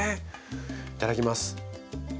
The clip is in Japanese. いただきます。